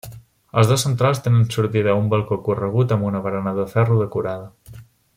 Els dos centrals tenen sortida a un balcó corregut amb barana de ferro decorada.